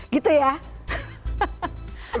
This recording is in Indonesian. gitu ya hahaha